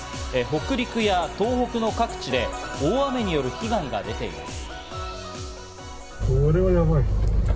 北陸や東北の各地で大雨による被害が出ています。